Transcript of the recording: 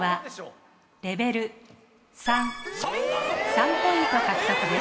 ３ポイント獲得です。